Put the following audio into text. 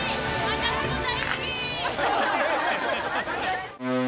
私も大好き！